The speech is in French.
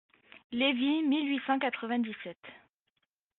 Lévy, mille huit cent quatre-vingt-dix-sept.